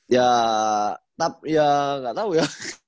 ya ya gak tau ya